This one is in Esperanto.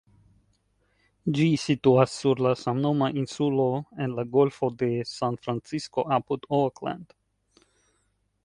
Ĝi situas sur la samnoma insulo en la Golfo de San-Francisko apud Oakland.